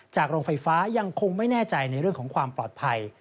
โรงไฟฟ้ายังคงไม่แน่ใจในเรื่องของความปลอดภัย